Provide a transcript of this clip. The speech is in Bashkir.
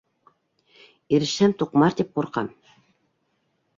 Ирешһәм, туҡмар тип ҡурҡам.